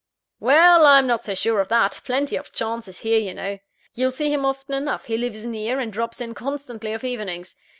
"Well: I'm not so sure of that plenty of chances here, you know. You'll see him often enough: he lives near, and drops in constantly of evenings.